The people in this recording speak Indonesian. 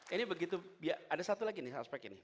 ini begitu ada satu lagi aspek ini